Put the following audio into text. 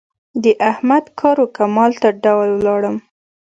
د احمد کار و کمال ته ډول ولاړم.